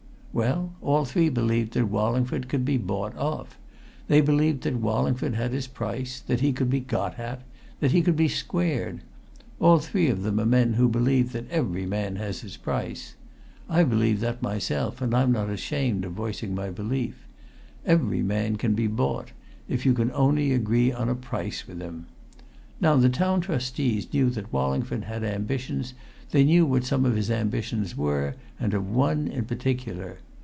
Well, all three believed that Wallingford could be bought off. They believed that Wallingford had his price; that he could be got at; that he could be squared. All three of them are men who believe that every man has his price. I believe that myself, and I'm not ashamed of voicing my belief. Every man can be bought if you can only agree on a price with him. Now, the Town Trustees knew that Wallingford had ambitions; they knew what some of his ambitions were, and of one in particular.